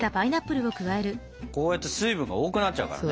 こうやって水分が多くなっちゃうからね。